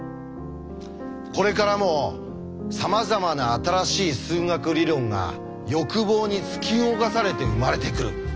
これからもさまざまな新しい数学理論が欲望に突き動かされて生まれてくる。